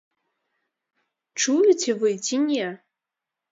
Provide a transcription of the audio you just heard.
Чуеце вы ці не?